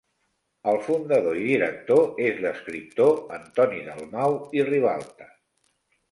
El fundador i director és l'escriptor Antoni Dalmau i Ribalta.